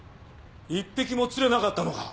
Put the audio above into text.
１匹も釣れなかったのか？